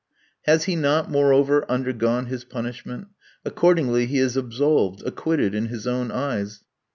Has he not, moreover, undergone his punishment? Accordingly he is absolved, acquitted in his own eyes.